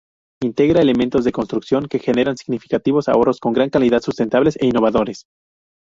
Integra elementos de construcción que generan significativos ahorros con gran calidad, sustentables e innovadores.